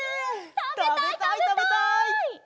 たべたいたべたい！